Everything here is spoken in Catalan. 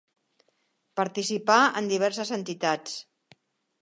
Participà en diverses entitats.